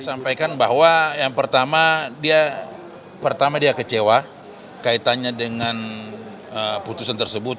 saya sampaikan bahwa yang pertama dia kecewa kaitannya dengan putusan tersebut